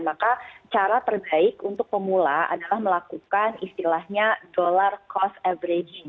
maka cara terbaik untuk pemula adalah melakukan istilahnya dolar cost averaging